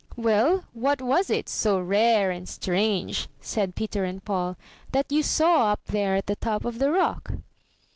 "Well, what was it, so rare and strange," said Peter and Paul, "that you saw up there at the top of the rock?"